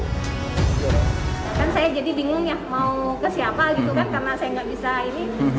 kan saya jadi bingung ya mau ke siapa gitu kan karena saya nggak bisa ini